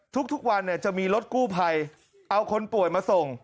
ทุกวันจะมีรถกู้ภัยเอาคนป่วยมาส่ง